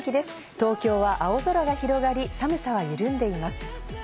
東京は青空が広がり寒さが緩んでいます。